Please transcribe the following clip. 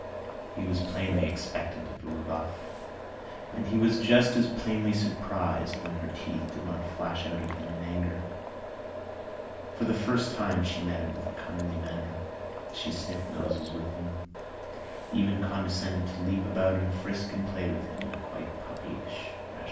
He was plainly expectant of a rebuff, and he was just as plainly surprised when her teeth did not flash out at him in anger. For the first time she met him with a kindly manner. She sniffed noses with him, and even condescended to leap about and frisk and play with him in quite puppyish fashion.